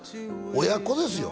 親子ですよ？